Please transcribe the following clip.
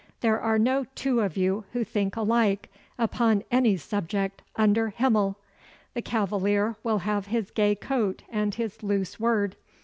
There are no two of you who think alike upon any subject under Himmel! The Cavalier will have his gay coat and his loose word.